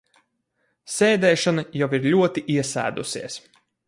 Sēdēšana jau ir ļoti iesēdusies.